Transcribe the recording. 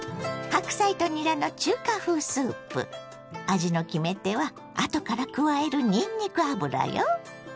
味の決め手はあとから加えるにんにく油よ。